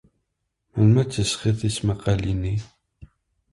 Melmi ay d-tesɣid tismaqqalin-nni?